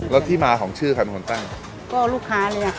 แล้วที่มาของชื่อคันโหงตั้งก็ลูกค้าเลยอ่ะ